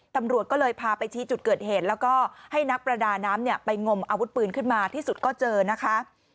ตำรวจก็เลยพาไปชี้จุดเกิดเหตุแล้วก็ให้นักประดาน้ำไปงมอาวุธปืนขึ้นมาที่สุดก็เจอนะคะ